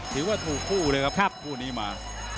ถือว่าถูกคู่เลยครับคู่นี้มา